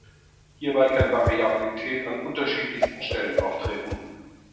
Hierbei kann Variabilität an unterschiedlichsten Stellen auftreten.